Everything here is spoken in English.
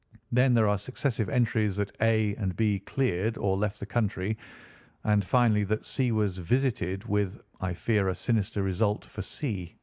Then there are successive entries that A and B cleared, or left the country, and finally that C was visited, with, I fear, a sinister result for C.